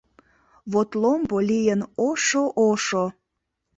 Вот ломбо лийын ошо-ошо…